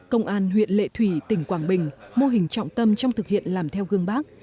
công an huyện lệ thủy tỉnh quảng bình mô hình trọng tâm trong thực hiện làm theo gương bác